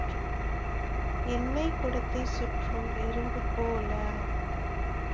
எண்ணெய்க் குடத்தைச் சுற்றும் எறும்பு போல.